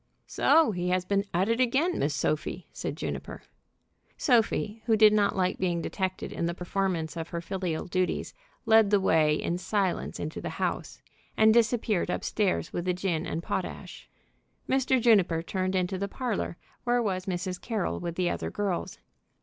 "So he has been at it again, Miss Sophie," said Juniper. Sophie, who did not like being detected in the performance of her filial duties, led the way in silence into the house, and disappeared up stairs with the gin and potash. Mr. Juniper turned into the parlor, where was Mrs. Carroll with the other girls.